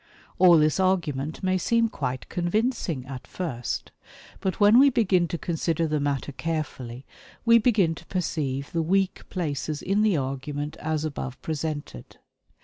All this argument may seem quite convincing at first. But when we begin to consider the matter carefully, we begin to perceive the weak places in the argument as above presented.